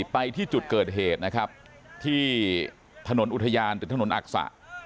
ไปที่จุดเกิดเหตุนะครับที่ถนนอุทยานหรือถนนอักษะ